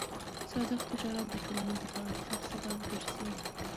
صادق تجارت د ټولنې د پرمختګ سبب ګرځي.